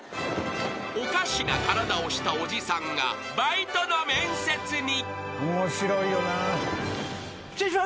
［おかしな体をしたおじさんがバイトの面接に］